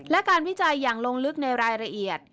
และการวิจัยอย่างลงลึกในรายละเอียด